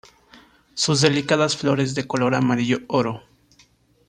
Sus delicadas flores de color amarillo oro.